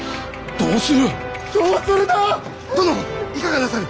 どうする！？